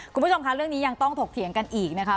คุณผู้ชมคะเรื่องนี้ยังต้องถกเถียงกันอีกนะคะ